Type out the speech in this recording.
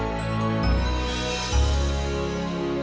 itu namanya bukan nawar tati